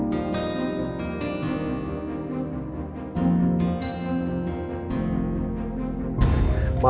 mau ke rumah